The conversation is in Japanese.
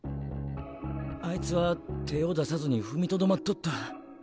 あいつは手ぇを出さずに踏みとどまっとった。